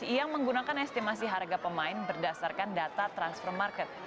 yang menggunakan estimasi harga pemain berdasarkan data transfer market